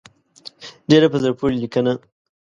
ډېره په زړه پورې لیکنه.